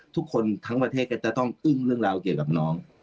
ทุกคนทั้งประเทศก็จะต้องอึ้งเรื่องราวเกี่ยวกับน้อง